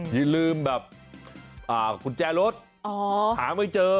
ที่ลืมแบบคุณแจรศหาไม่เจอ